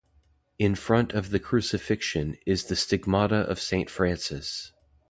In front of the "Crucifixion" is the "Stigmata of Saint Francis".